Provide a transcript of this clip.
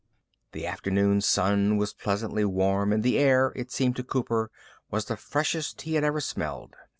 The afternoon sun was pleasantly warm and the air, it seemed to Cooper, was the freshest he had ever smelled.